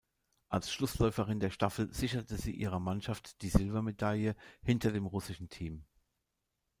Als Schlussläuferin der Staffel sicherte sie ihrer Mannschaft die Silbermedaille hinter dem russischen Team.